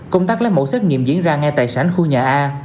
công tác lấy mẫu xét nghiệm diễn ra ngay tại sảnh khu nhà a